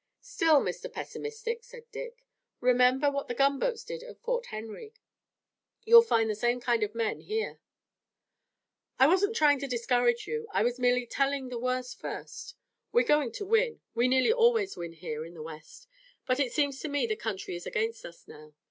"Still, Mr. Pessimist," said Dick, "remember what the gunboats did at Fort Henry. You'll find the same kind of men here." "I wasn't trying to discourage you. I was merely telling the worst first. We're going to win. We nearly always win here in the West, but it seems to me the country is against us now.